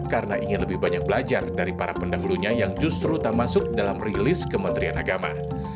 karena ingin lebih banyak belajar dari para pendahulunya yang justru tak masuk dalam rilis kementerian agama